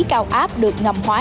cao áp được ngầm hóa